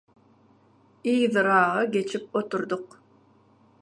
Yzyraga geçip oturduk.